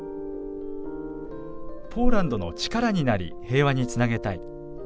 ポーランドの力になり平和につなげたい。